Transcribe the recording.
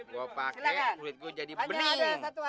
gue pakai kulit gue jadi bening